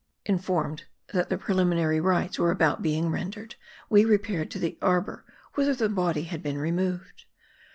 Informed that the preliminary rites were about being rendered, we repaired to the arbor, whither the body had been removed.